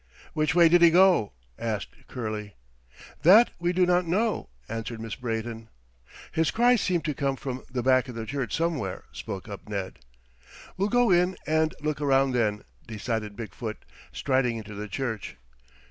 "Which way did he go?" asked Curley. "That we do not know," answered Miss Brayton. "His cry seemed to come from the back of the church somewhere," spoke up Ned. "We'll go in and look around, then," decided Big foot, striding into the church.